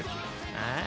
ああ。